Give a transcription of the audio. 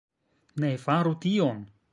Ne faru tion!